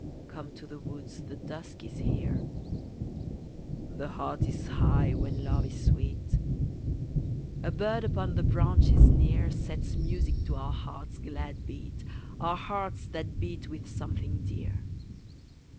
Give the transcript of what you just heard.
Come to the woods, the dusk is here The heart is high when LOVE is sweet A bird upon the branches near Sets music to our hearts' glad beat, Our hearts that beat with something dear.